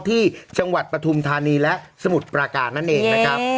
ที่จังหวัดปฐุมธานีและสมุทรปราการนั่นเองนะครับ